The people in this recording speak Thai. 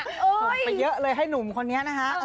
ส่งไปเยอะเลยให้หนุ่มคนนี้นะคะ